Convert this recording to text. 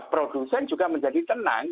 produsen juga menjadi tenang